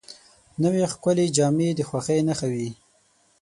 نوې ښکلې جامې د خوښۍ نښه وي